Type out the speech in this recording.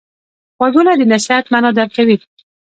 غوږونه د نصیحت معنی درک کوي